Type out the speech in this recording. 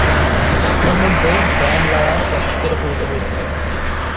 তন্মধ্যে, Brian Lara তার শিকারে পরিণত হয়েছিলেন।